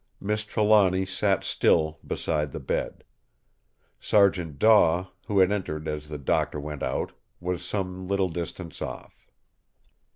Miss Trelawny sat still beside the bed. Sergeant Daw, who had entered as the Doctor went out, was some little distance off.